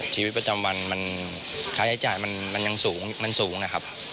ชีวิตประจำวันมันค่าใช้จ่ายมันยังสูงมันสูงนะครับ